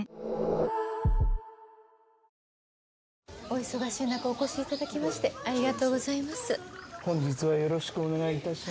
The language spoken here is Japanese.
お忙しい中お越しいただきましてありがとうございます。